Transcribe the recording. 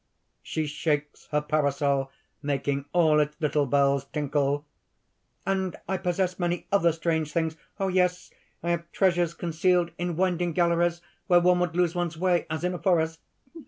(She shakes her parasol, making all its little bells tinkle.) "And I possess many other strange things oh! yes! I have treasures concealed in winding galleries where one would lose one's way, as in a forest.